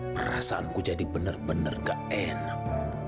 perasaanku jadi bener bener gak enak